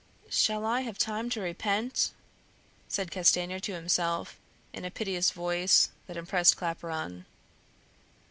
"Shall I have time to repent?" said Castanier to himself, in a piteous voice, that impressed Claparon.